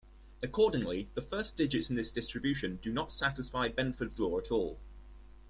Accordingly, the first digits in this distribution do not satisfy Benford's law at all.